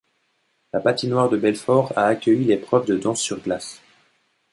La patinoire de Belfort a accueilli l'épreuve de danse sur glace.